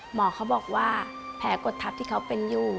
หมอเขาบอกว่าแผลกดทับที่เขาเป็นอยู่